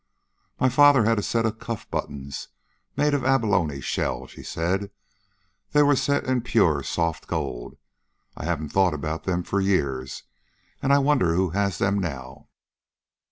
"My father had a set of cuff buttons made of abalone shell," she said. "They were set in pure, soft gold. I haven't thought about them for years, and I wonder who has them now."